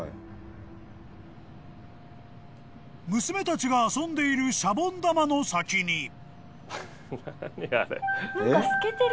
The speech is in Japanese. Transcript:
［娘たちが遊んでいるシャボン玉の先に］